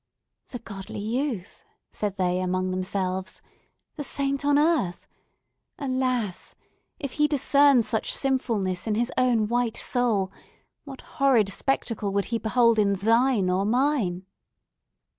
"The godly youth!" said they among themselves. "The saint on earth! Alas! if he discern such sinfulness in his own white soul, what horrid spectacle would he behold in thine or mine!"